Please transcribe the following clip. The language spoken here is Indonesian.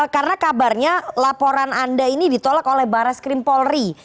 karena kabarnya laporan anda ini ditolak oleh baras krim polri